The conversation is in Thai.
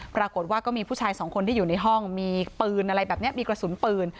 ปรากฏว่าก็มีผู้ชายสองคนที่อยู่ในห้องมีปืนอะไรแบบนี้มีกระสุนปืน